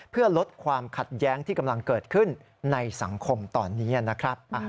เพื่อลดความขัดแย้งที่กำลังเกิดขึ้นในสังคมตอนนี้นะครับ